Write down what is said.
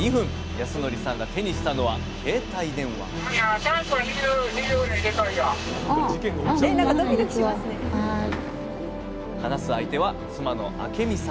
康則さんが手にしたのは携帯電話話す相手は妻の明美さん。